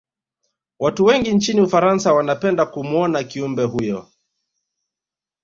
Watu wengi nchini ufarasa wanapenda kumuona Kiumbe huyo